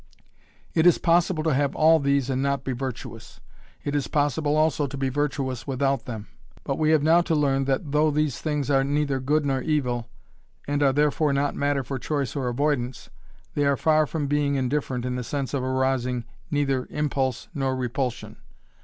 It is possible to have all these and not be virtuous, it is possible also to be virtuous without them. But we have now to learn that though these things are neither good nor evil, and are therefore not matter for choice or avoidance, they are far from being indifferent in the sense of arousing neither impulse nor repulsion.